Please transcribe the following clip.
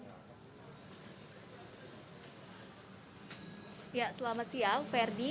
ya selamat siang